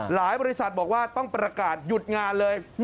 บริษัทบอกว่าต้องประกาศหยุดงานเลย